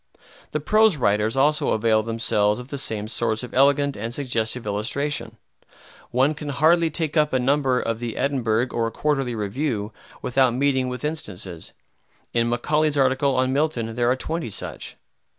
The prose writers also avail themselves of the same source of elegant and suggestive illustration. One can hardly take up a number of the "Edinburgh" or "Quarterly Review" without meeting with instances. In Macaulay's article on Milton there are twenty such.